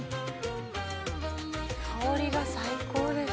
香りが最高です。